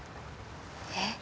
えっ？